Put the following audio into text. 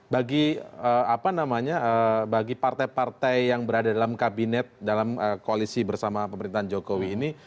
bagi apa namanya bagi partai partai yang berada dalam kabinet dalam koalisi bersama pemerintahan jokowi ini